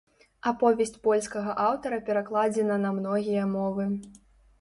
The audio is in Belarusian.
Аповесць польскага аўтара перакладзена на многія мовы.